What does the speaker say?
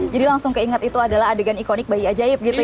jadi langsung keinget itu adalah adegan ikonik bayi ajaib gitu ya